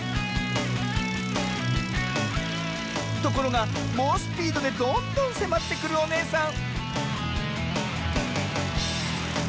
ところがもうスピードでどんどんせまってくるおねえさん